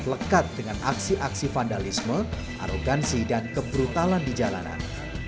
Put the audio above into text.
lekat dengan aksi aksi vandalisme arogansi dan kebrutalan di jalanan